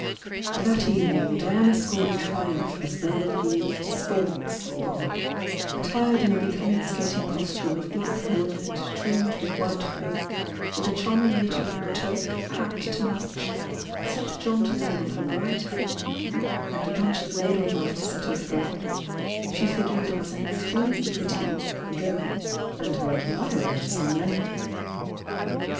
That evening Diana scored a triumph as belle of the "sports" ball. Attired in a becoming skating costume of black velvet trimmed with white fur, with a charming little "toque" hat to match, set jauntily on her bright hair, and a bunch of edel weiss at her throat, she figured as an extremely pretty "girl," and her admirers were many.